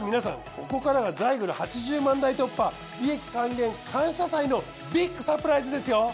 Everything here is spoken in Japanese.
ここからがザイグル８０万台突破利益還元感謝祭のビッグサプライズですよ！